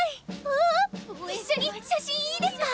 うわわ⁉一緒に写真いいですか？